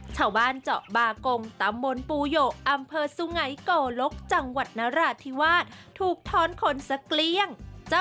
เจ้าบ้านเจาะบาโกงตามบนปุโยอัมเภอสุไงโกโรลกจังหวัดนาราธิวาดถูกท้อนคนสะเกลี่ยง